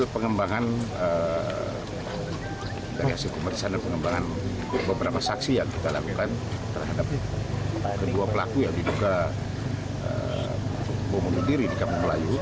pengembangan dari hasil pemeriksaan dan pengembangan beberapa saksi yang kita lakukan terhadap kedua pelaku yang diduga bom bunuh diri di kampung melayu